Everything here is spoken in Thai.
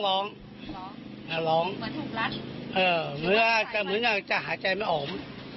ร้องร้องเหมือนจะหาใจไม่อม